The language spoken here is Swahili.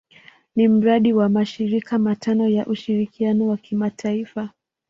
Ni mradi wa mashirika matano ya ushirikiano wa kimataifa.